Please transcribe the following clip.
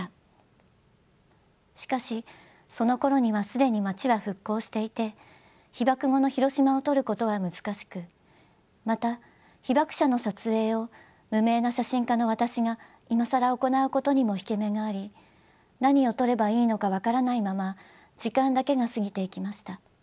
しかしそのころには既に街は復興していて被爆後のヒロシマを撮ることは難しくまた被爆者の撮影を無名な写真家の私が今更行うことにも引け目があり何を撮ればいいのか分からないまま時間だけが過ぎていきました。